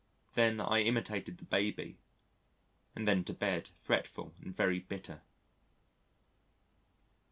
Then I imitated the Baby. And then to bed fretful and very bitter.